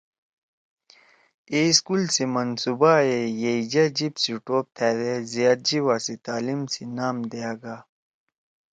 اے سکول سی منصوبا ئے ”یَئیجأ جیِب سی ٹوپ تھأدے زیاد جیِبا سی تعلیم“ سی نام دیا گا۔